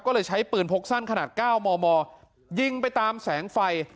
ก็เลยใช้ปืนพกสั้นขนาด๙มมยิงไปตามแสงไฟ